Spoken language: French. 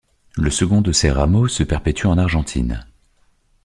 Le second de ces rameaux se perpétue en Argentine.